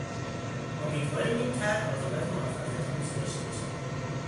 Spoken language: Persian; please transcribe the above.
امیدواریم این طرح عاقبت موفقیتآمیزی داشته باشد.